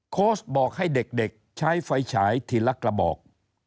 โค้ชบอกให้เด็กใช้ไฟฉายทีละกระบอก